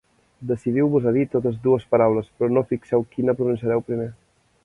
Decidiu-vos a dir totes dues paraules, però no fixeu quina pronunciareu primer.